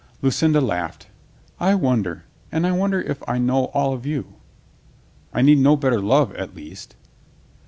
Lucinda laughed. "I wonder ... and I won der if I know all of you." "I need no better love at least."